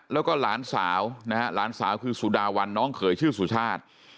แล้วก็หลานสาวนะฮะหลานสาวคือสุดาวันน้องเขยชื่อสุชาติ